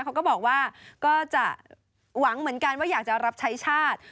เขาก็บอกว่าก็จะหวังเหมือนกันว่าอยากจะรับใช้ชาติ